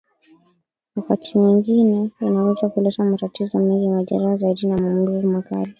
Wakati mwengine inaweza kuleta matatizo mengi majeraha zaidi na maumivu makali